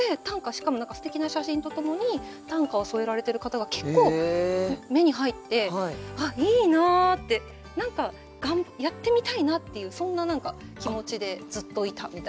しかもすてきな写真とともに短歌を添えられてる方が結構目に入って「あっいいな」って何かやってみたいなっていうそんな何か気持ちでずっといたみたいな。